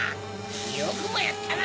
よくもやったな！